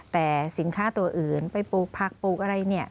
แต่สินค้าตัวอื่นไปปลูกผักปลูกอะไรเนี่ย